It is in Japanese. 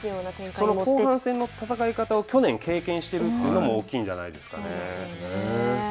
その後半戦の戦い方を去年経験しているというのも大きいんじゃないですかね。